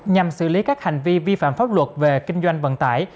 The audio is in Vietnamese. nhằm xử lý các hành vi vi phạm pháp luật về kinh doanh vận tải